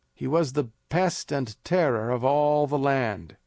He was the pest and terror of all the land.